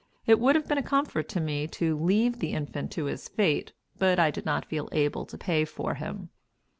It would have been a comfort to me to leave the infant to his fate, but I did not feel able to pay for him.